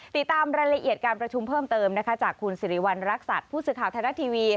ติดตามรายละเอียดการประชุมเพิ่มเติมนะคะจากคุณสิริวัณรักษัตริย์ผู้สื่อข่าวไทยรัฐทีวี